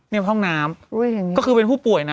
ในห้องน้ำก็คือเป็นผู้ป่วยนะ